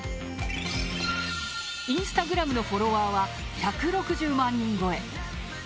インスタグラムのフォロワーは１６０万人超え！